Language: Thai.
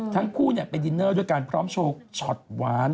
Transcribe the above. ทั้งคู่ไปดินเนอร์ด้วยการพร้อมโชว์ช็อตหวาน